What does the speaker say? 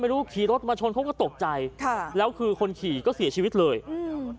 ขี่รถมาชนเขาก็ตกใจค่ะแล้วคือคนขี่ก็เสียชีวิตเลยอืม